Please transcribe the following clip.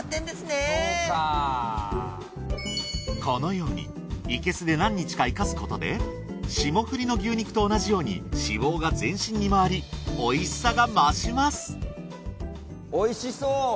このようにいけすで何日か生かすことで霜降りの牛肉と同じように脂肪が全身に回り美味しさが増します美味しそう！